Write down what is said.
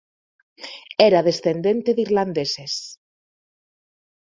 Era descendente de irlandeses.